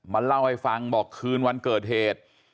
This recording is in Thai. เล่าให้ฟังบอกคืนวันเกิดเหตุ